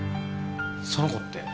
その子って？